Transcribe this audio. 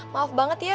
maaf banget ya